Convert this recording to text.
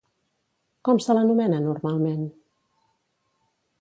Com se l'anomena normalment?